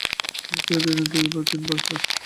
কেউ-কেউ দিনের মধ্যে দু বার তিন বার আসছে।